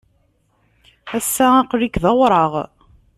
Ass-a, aql-ik d awraɣ.